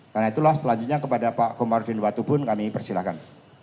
karena itulah selanjutnya kepada pak komarudin watubun kami persilakan